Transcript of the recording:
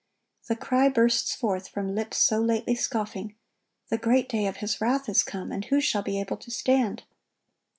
The cry bursts forth from lips so lately scoffing, "The great day of His wrath is come; and who shall be able to stand?"